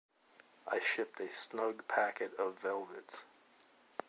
I shipped a snug package of velvets.